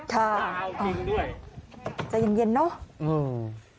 ค่ะอ่าใจเย็นเนอะอื้อ